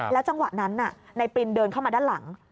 จังหวะนั้นนายปรินเดินเข้ามาด้านหลัง